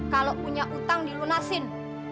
kalau punya utang dilunasin